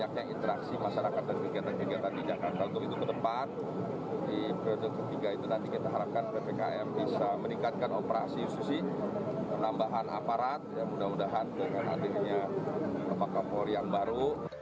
kita harapkan ppkm bisa meningkatkan operasi ususi penambahan aparat dan mudah mudahan dengan adilnya kebakar pol yang baru